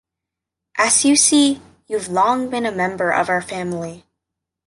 As you see, you’ve long been a member of our family.